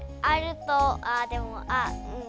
あでもあうん。